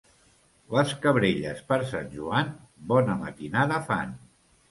Les cabrelles, per Sant Joan, bona matinada fan.